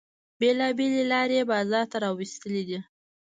بیلابیلې لارې یې بازار ته را ویستلې دي.